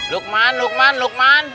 lukman lukman lukman